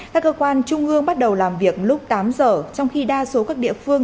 các cơ quan trung ương bắt đầu làm việc lúc tám giờ trong khi đa số các địa phương